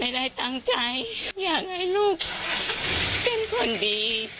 ได้ตั้งใจอยากให้ลูกเป็นคนดี